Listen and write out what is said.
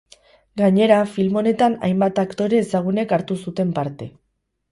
Gainera, film honetan hainbat aktore ezagunek hartu zuten parte.